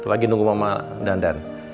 lagi nunggu mama dandan